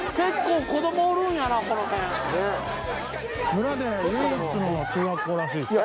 村で唯一の中学校らしいです。